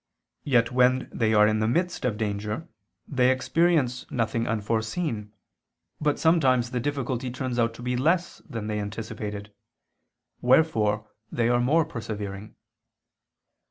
Yet when they are in the midst of danger, they experience nothing unforeseen, but sometimes the difficulty turns out to be less than they anticipated; wherefore they are more persevering.